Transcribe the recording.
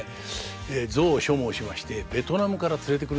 象を所望しましてベトナムから連れてくるんですよ。